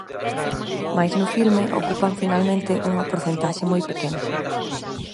Mais no filme ocupan finalmente unha porcentaxe moi pequena.